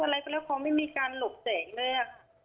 อะไรก็แล้วเขาไม่มีการหลบเสียงเลย